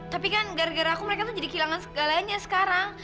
tapi kan gara gara aku mereka tuh jadi kehilangan segalanya sekarang